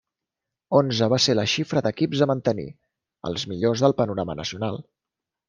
Onze va ser la xifra d'equips a mantenir, els millors del panorama nacional.